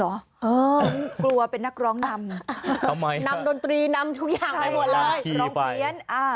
เออหรือกลัวเป็นนักร้องนำนำดนตรีนำทุกอย่างทุกอย่างไปหมดเลยร้องเพลียน